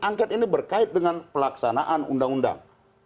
angket ini berkait dengan pelaksanaan undang undang